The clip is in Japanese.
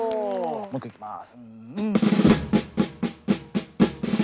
もう一個いきます。